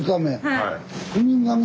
はい。